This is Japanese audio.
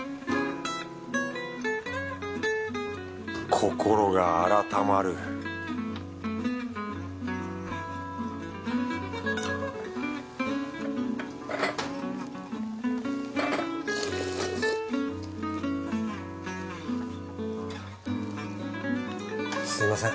心が改まるすみません。